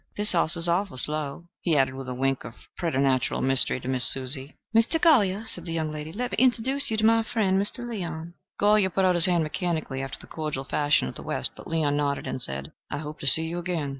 This hoss is awful slow," he added with a wink of preternatural mystery to Miss Susie. "Mr. Golyer," said the young lady, "let me interduce you to my friend, Mr. Leon." Golyer put out his hand mechanically, after the cordial fashion of the West. But Leon nodded and said, "I hope to see you again."